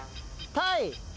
タイ。